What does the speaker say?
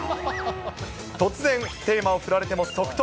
突然、テーマを振られても即答。